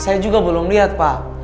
saya juga belum lihat pak